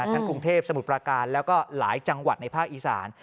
กรุงเทพสมุทรประการแล้วก็หลายจังหวัดในภาคอีสาน